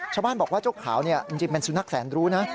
ชาวบ้านบอกว่าเจ้าขาวจริงเป็นสุนัขแสนรู้นะ